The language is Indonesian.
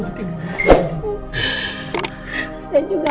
ibu ibu ibu ibu ibu ibu